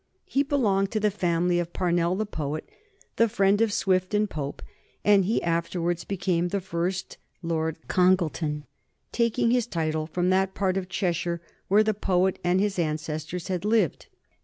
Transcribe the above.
He belonged to the family of Parnell the poet, the friend of Swift and Pope, and he afterwards became the first Lord Congleton, taking his title from that part of Cheshire where the poet and his ancestors had lived.